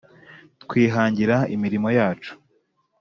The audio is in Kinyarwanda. twihangira imirimo yacu,